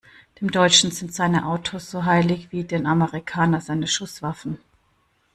Dem Deutschen sind seine Autos so heilig wie dem Amerikaner seine Schusswaffen.